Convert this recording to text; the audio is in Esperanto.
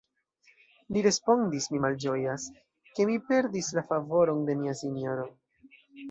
li respondis, mi malĝojas, ke mi perdis la favoron de mia sinjoro.